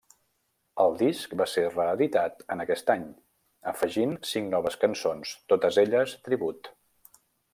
El disc va ser reeditat en aquest any, afegint cinc noves cançons, totes elles tribut.